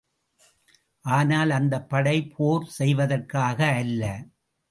ஆனால் அந்தப் படை போர் செய்வதற்காக அல்ல!